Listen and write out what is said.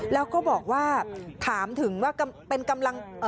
แล้วก็บอกว่าถามถึงว่าเป็นกำลัง